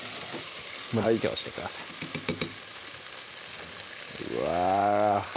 盛りつけをしてくださいうわ